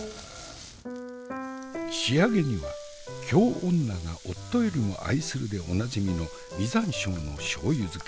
仕上げには「京女が夫よりも愛する」でおなじみの実山椒の醤油漬け。